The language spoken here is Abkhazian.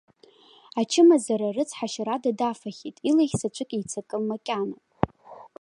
Ачымазара рыцҳашьарада дафахьеит, илахь заҵәык еицакым макьана.